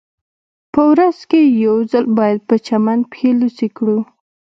په ورځ کې یو ځل باید په چمن پښې لوڅې کړو